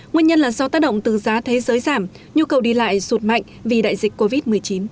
nguyên nhân là do tác động từ giá thế giới giảm nhu cầu đi lại sụt mạnh vì đại dịch covid một mươi chín